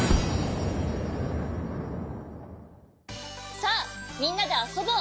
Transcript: さあみんなであそぼう。